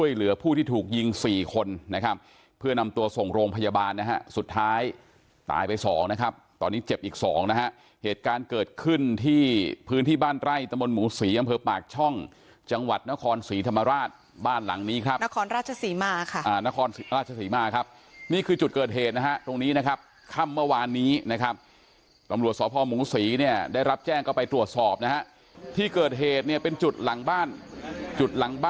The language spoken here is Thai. เหตุการณ์เกิดขึ้นที่พื้นที่บ้านไร่ตะมนต์หมูศรีอำเภอปากช่องจังหวัดนครศรีธรรมราชบ้านหลังนี้ครับนครราชศรีมาค่ะนครราชศรีมาครับนี่คือจุดเกิดเหตุนะฮะตรงนี้นะครับค่ำเมื่อวานนี้นะครับตำรวจสอบพ่อหมูศรีเนี่ยได้รับแจ้งเข้าไปตรวจสอบนะฮะที่เกิดเหตุเนี่ยเป็นจุดหลังบ